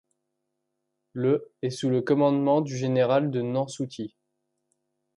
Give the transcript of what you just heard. Le est sous le commandement du général de Nansouty.